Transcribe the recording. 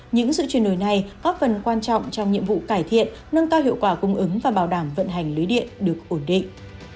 những sự chuyển đổi này góp phần quan trọng trong nhiệm vụ cải thiện nâng cao hiệu quả cung ứng và bảo đảm vận hành lưới điện được ổn định